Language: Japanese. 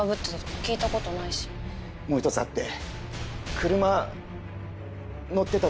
もう一つあって。